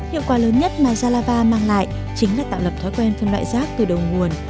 hiệu quả lớn nhất mà zalava mang lại chính là tạo lập thói quen phân loại rác từ đầu nguồn